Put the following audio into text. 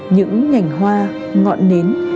những nhảnh hoa ngọn nến